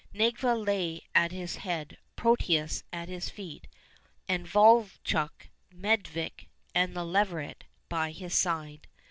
Nedviga lay at his head, Protius at his feet, and Vovchok, Medvedik, and the leveret by his side.